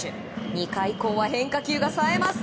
２回以降は変化球がさえます。